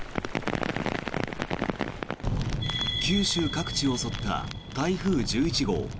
九州各地を襲った台風１１号。